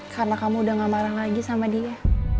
karena kamu udah gak marah lagi sama dia